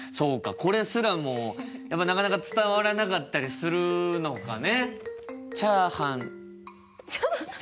これすらもやっぱなかなか伝わらなかったりするのかね？